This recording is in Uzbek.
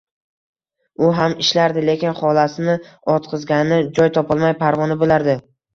U ham ishlardi, lekin xolasini o`tqizgani joy topolmay parvona bo`lardi